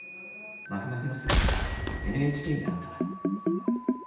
まふまふの姿がＮＨＫにあった。